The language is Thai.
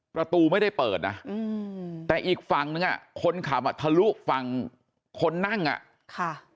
ประตูไม่ได้เปิดนะแต่อีกฝั่งนึงอ่ะคนขับอ่ะทะลุฝั่งคนนั่งอ่ะค่ะ